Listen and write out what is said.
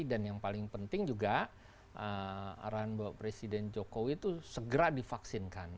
dan yang paling penting juga arahan bapak presiden jokowi itu segera divaksinkan